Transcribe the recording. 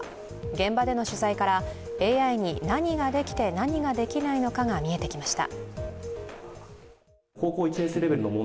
現場での取材から、ＡＩに何ができて何ができないのかが見えてきました。